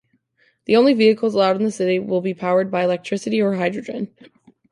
The only vehicles allowed in the city will be powered by electricity or hydrogen.